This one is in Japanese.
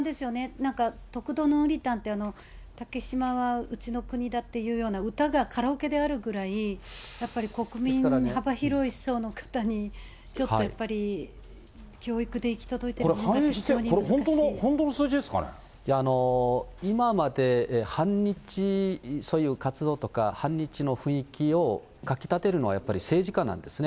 なんか、どくとのうりたんって、竹島はうちの国だっていうような歌がカラオケであるぐらい、やっぱり国民の幅広い層の方に、ちょっとやっぱり教育で行き届いている、今まで反日、そういう活動とか、反日の雰囲気をかきたてるのはやっぱり政治家なんですね。